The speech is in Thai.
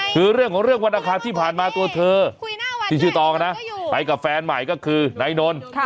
คือเรื่องของเรื่องวันอาคารที่ผ่านมาตัวเธอที่ชื่อตองนะไปกับแฟนใหม่ก็คือนายนนท์